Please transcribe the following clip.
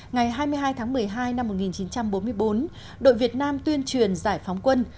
ngày hai mươi hai tháng một mươi hai năm một nghìn chín trăm bốn mươi bốn đội việt nam tuyên truyền giải phóng quân